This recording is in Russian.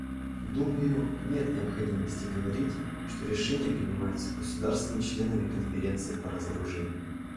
Думаю, нет необходимости говорить, что решения принимаются государствами-членами Конференции по разоружению.